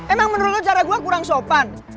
emang menurut lo cara gue kurang sopan